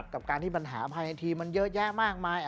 กับการที่ปัญหาภายในทีมันเยอะแยะมากมาย